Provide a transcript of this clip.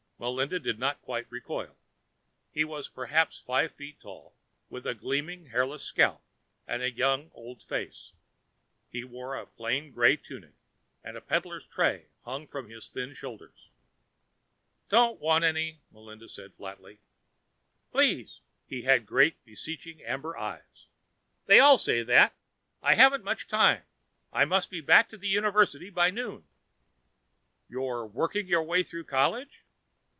Melinda did not quite recoil. He was perhaps five feet tall, with a gleaming hairless scalp and a young old face. He wore a plain gray tunic, and a peddler's tray hung from his thin shoulders. "Don't want any," Melinda stated flatly. "Please." He had great, beseeching amber eyes. "They all say that. I haven't much time. I must be back at the University by noon." "You working your way through college?"